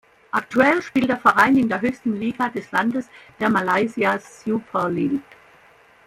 Aktuell spielt der Verein in der höchsten Liga des Landes der Malaysia Super League.